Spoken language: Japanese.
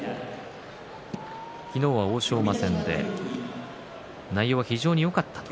昨日は欧勝馬戦で内容は非常によかったと。